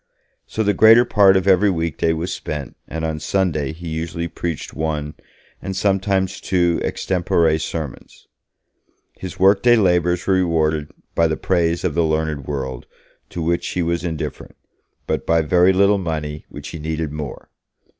So the greater part of every weekday was spent, and on Sunday he usually preached one, and sometimes two extempore sermons. His workday labours were rewarded by the praise of the learned world, to which he was indifferent, but by very little money, which he needed more.